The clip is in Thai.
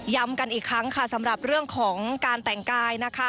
กันอีกครั้งค่ะสำหรับเรื่องของการแต่งกายนะคะ